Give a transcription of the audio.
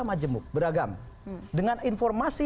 majemuk beragam dengan informasi